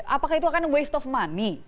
apakah itu akan waste of money